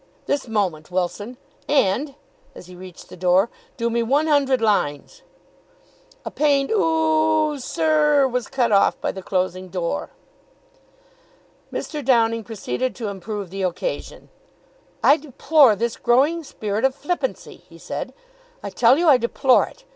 "This moment, Wilson. And," as he reached the door, "do me one hundred lines." A pained "OO oo oo, sir r r," was cut off by the closing door. Mr. Downing proceeded to improve the occasion. "I deplore this growing spirit of flippancy," he said. "I tell you I deplore it!